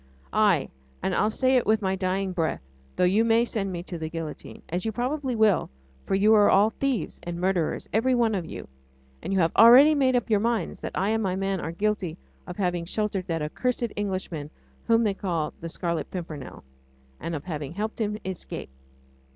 Aye, and I'll say it with my dying breath, though you may send me to the guillotine ... as you probably will, for you are all thieves and murderers, every one of you, and you have already made up your minds that I and my man are guilty of having sheltered that accursed Englishman whom they call the Scarlet Pimpernel ... and of having helped him to escape.